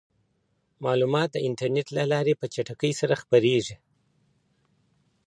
معلومات د انټرنیټ له لارې په چټکۍ سره خپریږي.